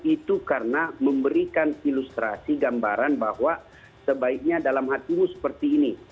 itu karena memberikan ilustrasi gambaran bahwa sebaiknya dalam hatimu seperti ini